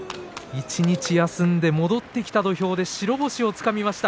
一日休んで戻ってきた土俵で白星をつかみました。